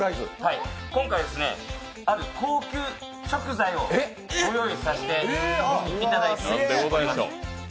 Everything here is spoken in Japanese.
今回、ある高級食材をご用意させていただきました。